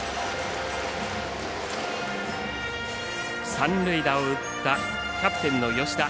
三塁打を打ったキャプテンの吉田。